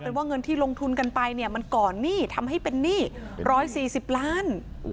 เป็นว่าเงินที่ลงทุนกันไปเนี่ยมันก่อนหนี้ทำให้เป็นหนี้๑๔๐ล้าน